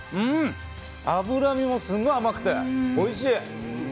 脂身もすごい甘くておいしい！